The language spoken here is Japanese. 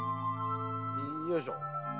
よいしょ。